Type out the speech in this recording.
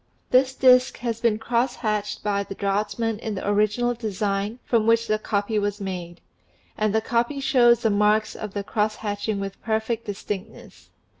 This disk has been cross hatched by the draughtsman in the original design from which the copy was made ; and the copy shows the marks of the cross hatching with perfect distinctness.